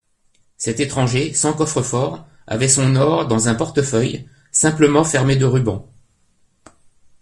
Cet étranger, sans coffre-fort, avait son or dans un portefeuille, simplement fermé de rubans.